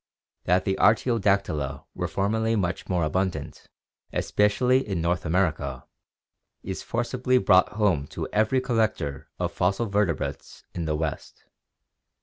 That the Artiodactyla were formerly much more abundant, especially in North America, is forcibly brought home to every collector of fossil vertebrates in the West.